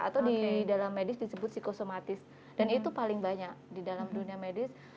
atau di dalam medis disebut psikosomatis dan itu paling banyak di dalam dunia medis